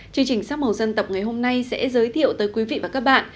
chương trình sắc màu dân tộc ngày hôm nay sẽ giới thiệu tới quý vị và các bạn